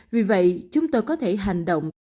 vì vậy chúng tôi có thể hành động